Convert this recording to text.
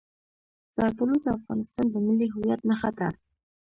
زردالو د افغانستان د ملي هویت نښه ده.